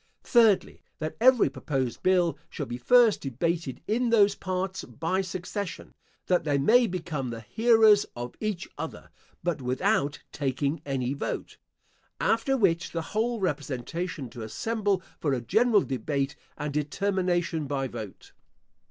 Thirdly, That every proposed bill shall be first debated in those parts by succession, that they may become the hearers of each other, but without taking any vote. After which the whole representation to assemble for a general debate and determination by vote.